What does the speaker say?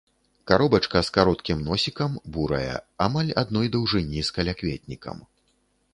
Каробачка з кароткім носікам, бурая, амаль адной даўжыні з калякветнікам.